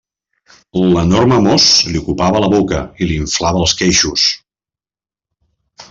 L'enorme mos li ocupava la boca i li inflava els queixos.